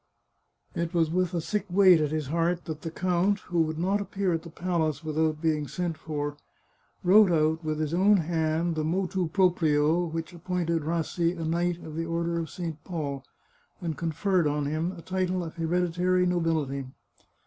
It was with a sick weight at his heart that the count, who would not appear at the palace without being sent for, wrote out, with his own hand, the motu propria which appointed Rassi a Knight of the Order of St. Paul, and conferred on 313 The Chartreuse of Parma him a title of hereditary nobility.